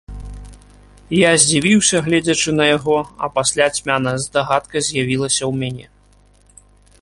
Я здзівіўся, гледзячы на яго, а пасля цьмяная здагадка з'явілася ў мяне.